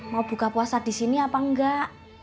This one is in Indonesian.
mau buka puasa di sini apa enggak